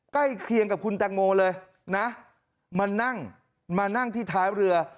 ใกล้เคียงกับคุณแตงโมเลยนะมานั่งมานั่งที่ท้ายเรือ